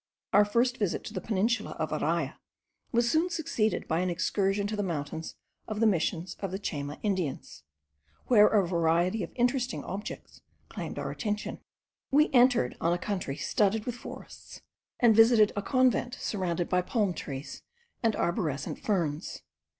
Our first visit to the peninsula of Araya was soon succeeded by an excursion to the mountains of the missions of the Chayma Indians, where a variety of interesting objects claimed our attention. We entered on a country studded with forests, and visited a convent surrounded by palm trees and arborescent ferns.